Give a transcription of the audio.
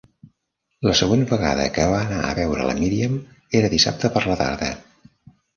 La següent vegada que va anar a veure la Míriam era dissabte per la tarda.